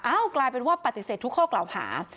กลายเป็นว่าปฏิเสธทุกข้อกล่าวหา